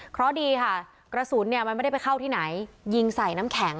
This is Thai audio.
เพราะดีค่ะกระสุนเนี่ยมันไม่ได้ไปเข้าที่ไหนยิงใส่น้ำแข็ง